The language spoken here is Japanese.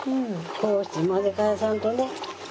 こうして混ぜ返さんとね。